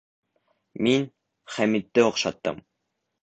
Мин Хәмитте... оҡшаттым.